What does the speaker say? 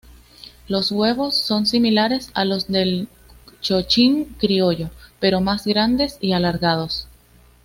Los huevos son similares a los del chochín criollo, pero más grandes y alargados.